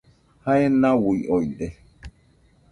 Jae nauioide